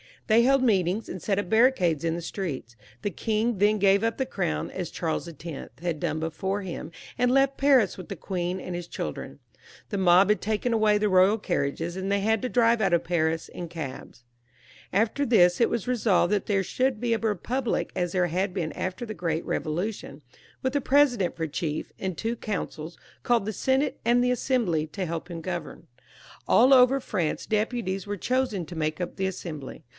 They held meetings, and set up barricades in the streets. The king then gave up the crown, as Charles X. had done before him, and left Paris with the queen and his children. The mob had taken away the royal carriages, and they had to drive out of Paris in cabs. After this it was resolved that there should be a republic, as there had been after the great Eevolution, with a president for chief, and two councils, called the Senate and the Assembly, to help him govern. All over France deputies were chosen to make up the Assembly.